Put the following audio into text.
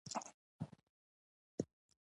استاد مهدي پرون موږ سره د ډوډۍ پر میز ناست و.